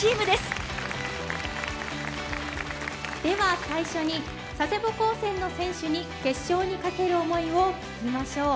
では最初に佐世保高専の選手に決勝にかける思いを聞きましょう。